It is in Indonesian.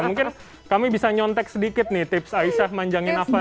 mungkin kami bisa nyontek sedikit nih tips aisyah manjangin apa